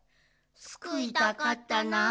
すくいたかったな。